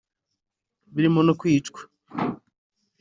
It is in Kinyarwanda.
birimo no kwicwa